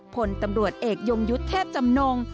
ผลตำรวจเอกยงยุทธ์เทพจำนง